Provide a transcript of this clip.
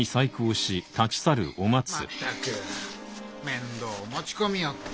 ・まったく面倒を持ち込みおって。